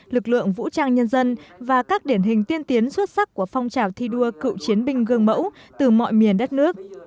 lực lượng vũ trang nhân dân và các điển hình tiên tiến xuất sắc của phong trào thi đua cựu chiến binh gương mẫu từ mọi miền đất nước